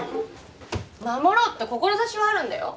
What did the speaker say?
守ろうって志はあるんだよ